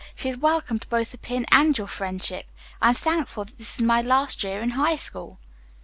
She is welcome to both the pin and your friendship. I am thankful that this is my last year in High School."